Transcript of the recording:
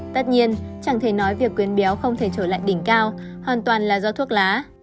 tất nhiên chẳng thể nói việc quyến béo không thể trở lại đỉnh cao hoàn toàn là do thuốc lá